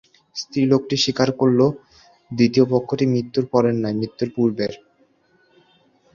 স্ত্রীলোকটি স্বীকার করলে দ্বিতীয় পক্ষটি মৃত্যুর পরের নয়, মৃত্যুর পূর্বের।